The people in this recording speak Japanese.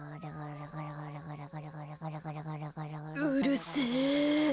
うるせえ！